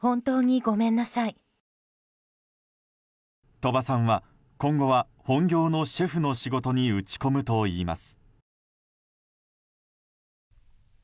鳥羽さんは今後は本業のシェフの仕事に打ち込むといいます。